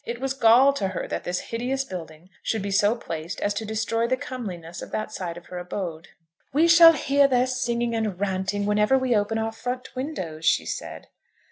It was gall to her that this hideous building should be so placed as to destroy the comeliness of that side of her abode. "We shall hear their singing and ranting whenever we open our front windows," she said.